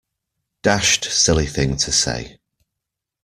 Dashed silly thing to say.